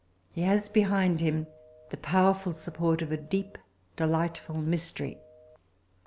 He has behind him the powerful support of a deep, delightful mystery.